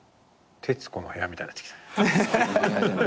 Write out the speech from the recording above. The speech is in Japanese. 『徹子の部屋』みたいになってきた。